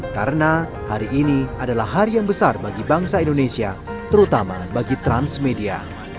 karena hari ini adalah hari yang besar bagi bangsa indonesia terutama bagi transmedia